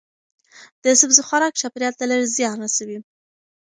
د سبزی خوراک چاپیریال ته لږ زیان رسوي.